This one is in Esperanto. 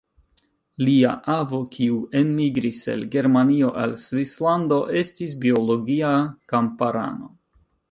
Lia avo, kiu enmigris el Germanio al Svislando estis biologia kamparano.